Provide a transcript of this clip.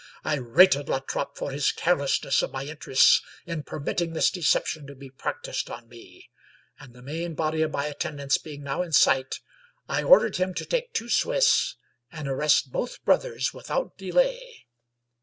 I rated La Trape for his carelessness of my in terests in permitting this deception to be practiced on me ; and the main body of my attendants being now in sight, I ordered him to take two Swiss and arrest both brothers without delay.